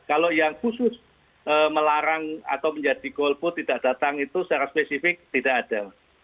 kalau yang khusus melarang atau menjadi golput tidak datang itu secara spesifik tidak ada